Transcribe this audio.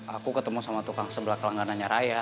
aku ketemu sama tukang sebelah kelangganannya raya